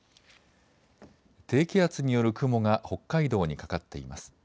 低気圧による雲が北海道にかかっています。